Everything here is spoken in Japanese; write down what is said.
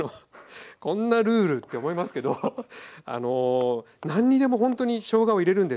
こんなルールって思いますけどあの何にでもほんとにしょうがを入れるんです。